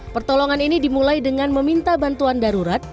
pertolongan ini dimulai dengan meminta bantuan darurat